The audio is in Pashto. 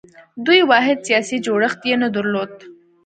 دوی واحد سیاسي جوړښت یې نه درلود